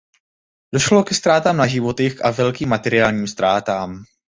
Došlo ke ztrátám na životech a k velkým materiálním ztrátám.